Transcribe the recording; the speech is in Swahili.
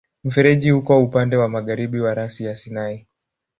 Mfereji uko upande wa magharibi wa rasi ya Sinai.